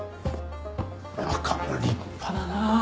中も立派だな。